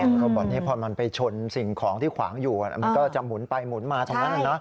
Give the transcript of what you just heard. เขาบอกนี้พอมันไปชนสิ่งของที่ขวางอยู่มันก็จะหมุนไปหมุนมาตรงนั้น